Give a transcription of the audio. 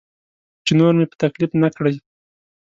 چې نور مې په تکلیف نه کړي.